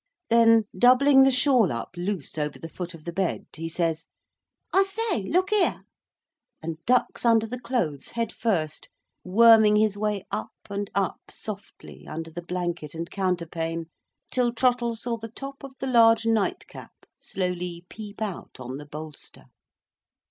Then, doubling the shawl up loose over the foot of the bed, he says, "I say, look here," and ducks under the clothes, head first, worming his way up and up softly, under the blanket and counterpane, till Trottle saw the top of the large nightcap slowly peep out on the bolster.